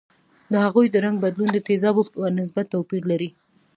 د هغوي د رنګ بدلون د تیزابو په نسبت توپیر لري.